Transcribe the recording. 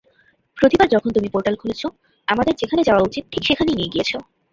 প্রতিবার যখন তুমি পোর্টাল খুলেছো, আমাদের যেখানে যাওয়া উচিত ঠিক সেখানেই নিয়ে গিয়েছো।